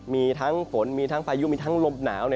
มีทั้งฝนมีทั้งพายุมีทั้งลมหนาว